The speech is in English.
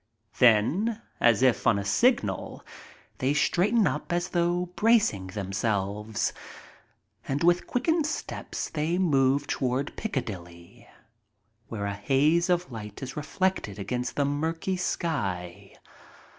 Then, as if on a signal, they straighten up as though bracing themselves, and with quickened steps they move toward Piccadilly, where a haze of light is reflected against the murky sky.